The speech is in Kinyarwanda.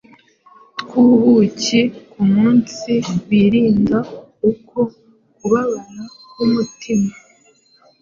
tw’ubuki ku munsi birinda uko kubabara k’umutima